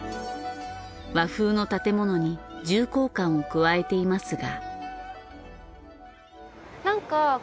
和風の建物に重厚感を加えていますが。